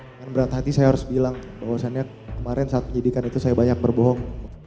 dengan berat hati saya harus bilang bahwasannya kemarin saat penyidikan itu saya banyak berbohong